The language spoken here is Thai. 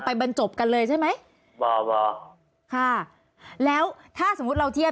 บรรจบกันเลยใช่ไหมว่าค่ะแล้วถ้าสมมุติเราเทียบ